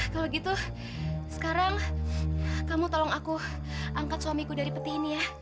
kalau gitu sekarang kamu tolong aku angkat suamiku dari peti ini ya